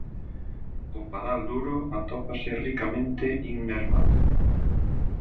O padal duro atópase ricamente innervado.